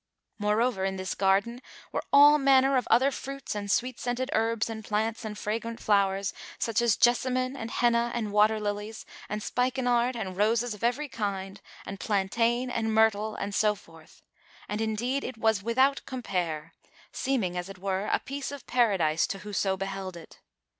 Moreover in this garden were all manner of other fruits and sweet scented herbs and plants and fragrant flowers, such as jessamine and henna and water lilies[FN#407] and spikenard[FN#408] and roses of every kind and plantain[FN#409] and myrtle and so forth; and indeed it was without compare, seeming as it were a piece of Paradise to whoso beheld it.